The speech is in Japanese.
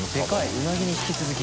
うなぎに引き続き。